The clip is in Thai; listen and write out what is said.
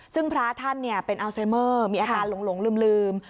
ซึ่งพระท่านเป็นอัลไซเมอร์มีอาการหลงลืม